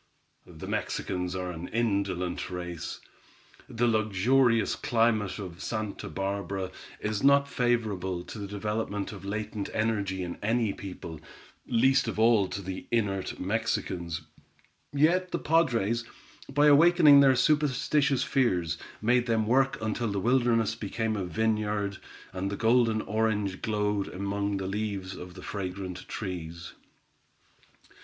The Mexicans are an indolent race. The luxurious climate of Santa Barbara is not favorable to the development of latent energy in any people, least of all to the inert Mexicans; yet the padres, by awakening their superstitious fears, made them work until the wilderness became a vineyard, and the golden orange glowed amid the leaves of the fragrant trees.